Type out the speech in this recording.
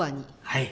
はい。